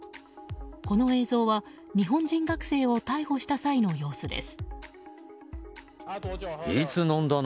この映像は、日本人学生を逮捕した際の様子です。